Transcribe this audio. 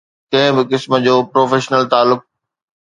ڪنهن به قسم جو پروفيشنل تعلق